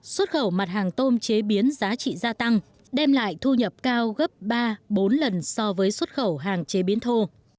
xuất khẩu mặt hàng tôm chế biến giá trị gia tăng đem lại thu nhập cao gấp ba bốn lần so với xuất khẩu hàng chế biến thô